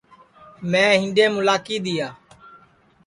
میں ہِیڈؔیم اُلاکی دِؔیا